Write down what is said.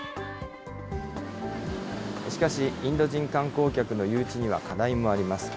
しかし、インド人観光客の誘致には課題もあります。